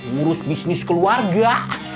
ngurus bisnis keluarga